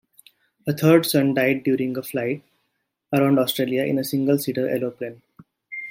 A third son died during a flight around Australia in a single-seater aeroplane.